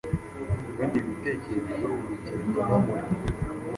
Ibindi bitekerezo urugendonumurimo